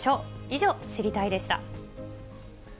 以上、知りたいッ！でした。